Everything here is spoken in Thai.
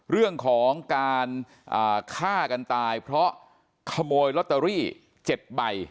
เรื่องของการฆ่ากันตายเพราะขโมยลอตเตอรี่๗ใบ